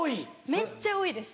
めっちゃ多いです。